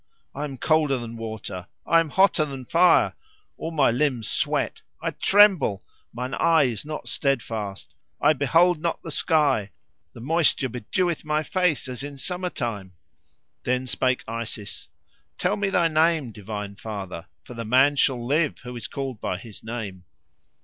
I am colder than water, I am hotter than fire, all my limbs sweat, I tremble, mine eye is not steadfast, I behold not the sky, the moisture bedeweth my face as in summer time." Then spake Isis, "Tell me thy name, divine Father, for the man shall live who is called by his name."